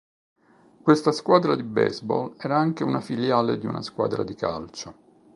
Questa squadra di baseball era anche una filiale di una squadra di calcio.